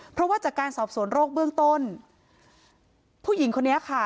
เพราะว่าจากการสอบสวนโรคเบื้องต้นผู้หญิงคนนี้ค่ะ